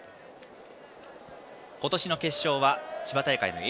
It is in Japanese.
今年の決勝は千葉大会のＡ